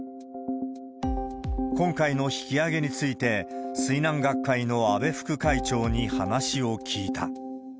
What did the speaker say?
今回の引き揚げについて、水難学会の安倍副会長に話を聞いた。